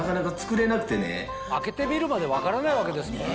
開けてみるまで分からないわけですもんね。